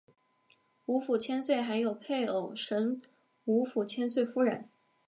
吴府千岁还有配偶神吴府千岁夫人。